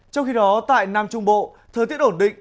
trong khi đó tại nam trung bộ thời tiết ổn định